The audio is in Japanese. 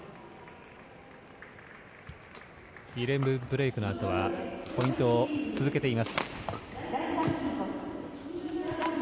２ゲームブレークのあとはポイントを続けています。